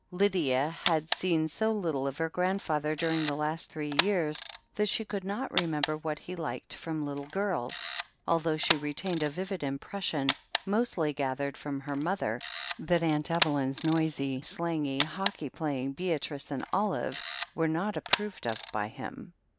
Lydia had seen so little of her grandfather during the last three years that she could not remember what he liked from little girls, although she retained a vivid impression, mostly gathered from her mother, that Aunt Eveljoi's noisy, slangy, hockey playing Beatrice and Olive were not approved of by him.